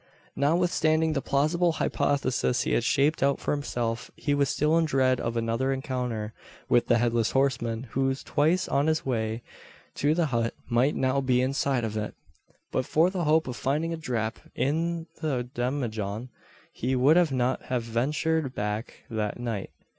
Notwithstanding the plausible hypothesis he had shaped out for himself, he was still in dread of another encounter with the headless horseman who twice on his way to the hut might now be inside of it. But for the hope of finding a "dhrap" in the demijohn, he would not have ventured back that night.